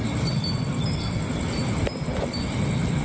อยู่ไหนโอ้โห